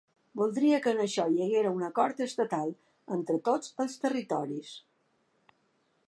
“Voldria que en això hi haguera un acord estatal, entre tots els territoris”.